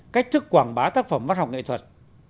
cách thức quảng bá tác phẩm văn học nghệ thuật